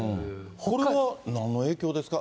これはなんの影響ですか？